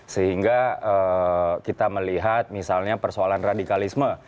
sehingga kita melihat misalnya persoalan radikalisme